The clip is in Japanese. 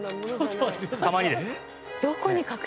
たまにです。